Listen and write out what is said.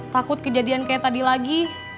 takut kejadian kayak tadi lagi